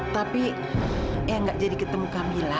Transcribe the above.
tapi eyang gak jadi ketemu kamila